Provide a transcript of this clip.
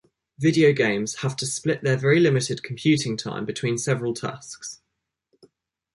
Video games have to split their very limited computing time between several tasks.